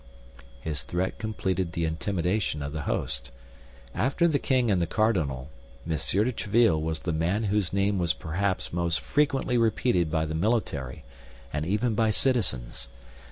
His threat completed the intimidation of the host. After the king and the cardinal, M. de Tréville was the man whose name was perhaps most frequently repeated by the military, and even by citizens.